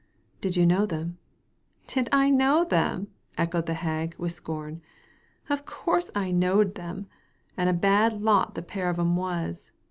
*' Did you know them ?"*' Did I know them ?" echoed the hag, with scorn. '* Of course I knowed them ; and a bad lot the pair of 'em was.